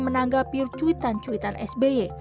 menanggapi cuitan cuitan sby